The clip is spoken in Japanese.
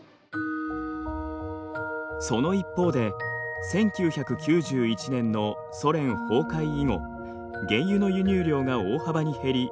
その一方で１９９１年のソ連崩壊以後原油の輸入量が大幅に減り経済が悪化。